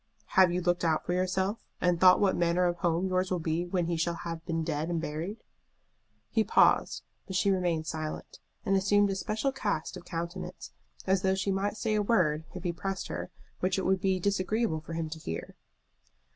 "Have you looked out for yourself, and thought what manner of home yours will be when he shall have been dead and buried?" He paused, but she remained silent, and assumed a special cast of countenance, as though she might say a word, if he pressed her, which it would be disagreeable for him to hear.